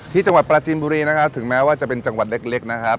จังหวัดปราจินบุรีนะครับถึงแม้ว่าจะเป็นจังหวัดเล็กนะครับ